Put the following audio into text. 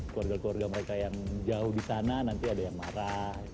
keluarga keluarga mereka yang jauh di sana nanti ada yang marah